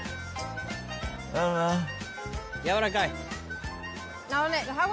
やわらかい？